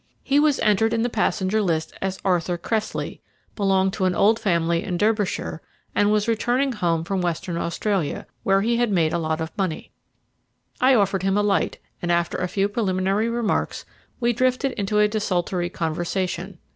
He was entered in the passenger list as Arthur Cressley, belonged to an old family in Derbyshire, and was returning home from Western Australia, where he had made a lot of money. I offered him a light, and after a few preliminary remarks we drifted into a desultory conversation.